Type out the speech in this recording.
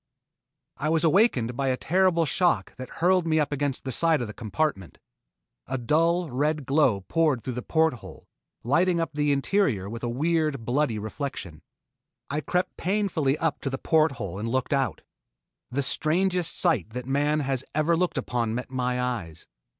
I was awakened by a terrible shock that hurled me up against the side of the compartment. A dull, red glow poured through the port hole, lighting up the interior with a weird, bloody reflection. I crept painfully up to the port hole and looked out. The strangest sight that man has ever looked upon met my eyes.